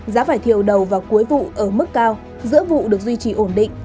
giá vải thiều đầu vào cuối vụ ở mức cao giữa vụ được duy trì ổn định